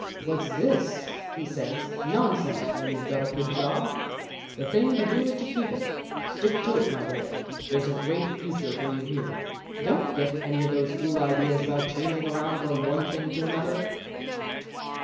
"What's this?" he says. "Nonsense! When you've got a good job, the thing to do is to keep it. Stick to it, my boy. There's a great future for you here. Don't get any of those fool ideas about changing around from one thing to another."